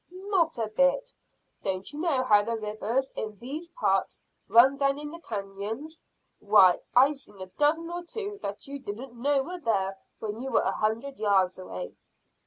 "Not a bit. Don't you know how the rivers in these parts run down in the canons? Why, I've seen a dozen or two that you didn't know were there when you were a hundred yards away."